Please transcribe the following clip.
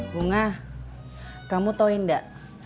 bunga kamu tahu enggak